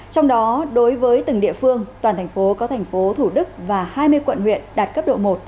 trong đó đối với từng địa phương toàn thành phố có thành phố thủ đức và hai mươi quận huyện đạt cấp độ một